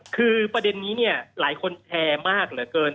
คือประเด็นนี้เนี่ยหลายคนแชร์มากเหลือเกิน